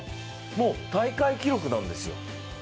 もう大会記録なんですよ。